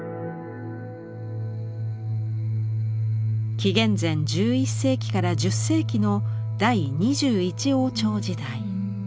紀元前１１世紀から１０世紀の第２１王朝時代。